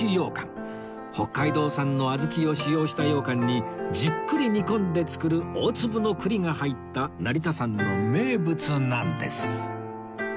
北海道産の小豆を使用した羊羹にじっくり煮込んで作る大粒の栗が入った成田山の名物なんです